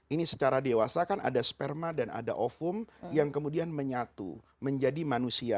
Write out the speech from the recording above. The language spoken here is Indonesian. ini secara dewasa kan ada sperma dan ada ofum yang kemudian menyatu menjadi manusia